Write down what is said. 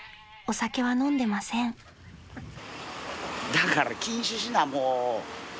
だから禁酒しなもう。